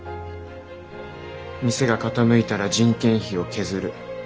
店が傾いたら人件費を削る。